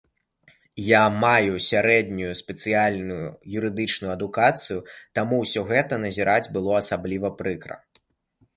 Я маю сярэднюю спецыяльную юрыдычную адукацыю, таму ўсё гэта назіраць было асабліва прыкра.